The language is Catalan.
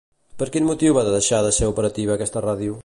Per quin motiu va deixar de ser operativa aquesta ràdio?